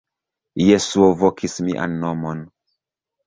Jesuo vokis mian nomon.